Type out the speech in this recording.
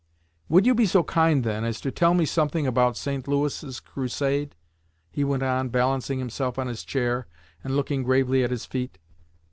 "Would you be so kind, then, as to tell me something about St. Louis' Crusade?" he went on, balancing himself on his chair and looking gravely at his feet.